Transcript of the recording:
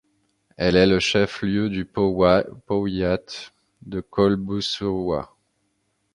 Elle est le chef-lieu du powiat de Kolbuszowa.